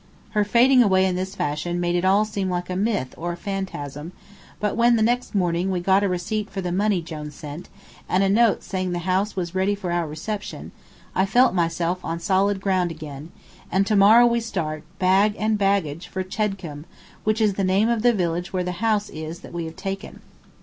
Her fading away in this fashion made it all seem like a myth or a phantasm, but when, the next morning, we got a receipt for the money Jone sent, and a note saying the house was ready for our reception, I felt myself on solid ground again, and to morrow we start, bag and baggage, for Chedcombe, which is the name of the village where the house is that we have taken.